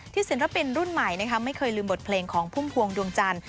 ที่ศิลปินรุ่นใหม่นะครับไม่เคยลืมบทเพลงของพุ่มพวงดวงจาน